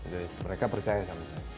jadi mereka percaya sama saya